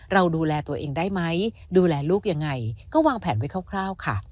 เราดูแลตัวเองได้ไหมดูแลลูกยังไงก็วางแผนไว้คร่าวค่ะ